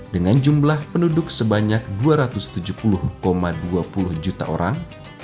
dengan jumlah penduduk sebanyak dua ratus tujuh puluh dua puluh juta orang